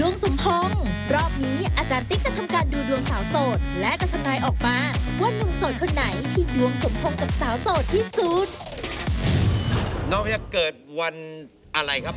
น้องพระเจ้าเกิดวันอะไรครับ